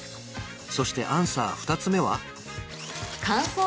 そしてアンサー２つ目は？